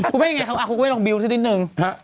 คุณแม่ยังไงคุณแม่ยังไงลองบิลดซินิดหนึ่ง